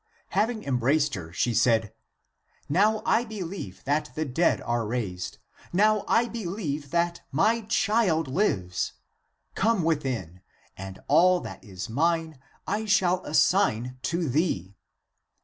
Having embraced her, she said, " Now I believe that the dead are raised! Now I believe that my child lives; come within,^^ and all that is mine I shall assign to thee."